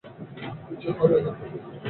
কিছুই হবে না।